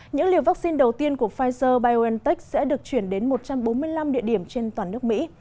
những liều vaccine đầu tiên của pfizer biontech sẽ được chuyển đến một trăm bốn mươi năm địa điểm trên toàn nước mỹ